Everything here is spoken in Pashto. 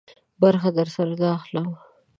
برخه درسره نه اخلم.